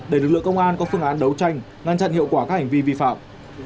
để lực lượng công an có phương án đấu tranh ngăn chặn hiệu quả các hành vi vi phạm